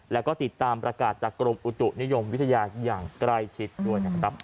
แล้วก็ติดตามประกาศจากกรมอุตุนิยมวิทยาอย่างใกล้ชิดด้วยนะครับ